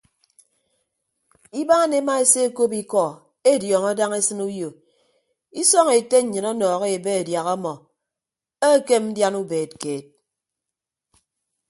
Ibaan ema esekop ikọ ediọọñọ daña esịn uyo isọñ ete nnyịn ọnọhọ ebe adiaha ọmọ ekem ndian ubeed keed.